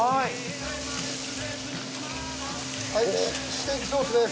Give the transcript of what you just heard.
はいステーキソースです。